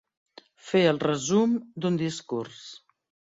Fer el resum d'un discurs.